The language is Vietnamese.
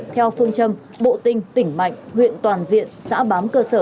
theo phương châm bộ tinh tỉnh mạnh huyện toàn diện xã bám cơ sở